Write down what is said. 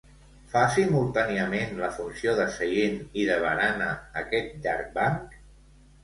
Fa simultàniament la funció de seient i de barana, aquest llarg banc.